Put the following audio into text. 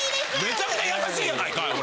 めちゃめちゃ優しいやないかい俺。